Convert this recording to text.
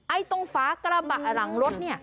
ไอ้ตรงฝากระบะหลังรถเนี่ย